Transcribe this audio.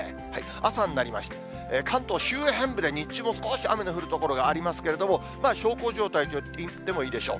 朝になりまして、関東周辺部で日中も少し雨の降る所がありますけれども、小康状態と言ってもいいでしょう。